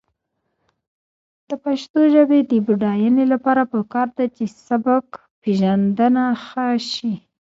د پښتو ژبې د بډاینې لپاره پکار ده چې سبکپېژندنه ښه شي.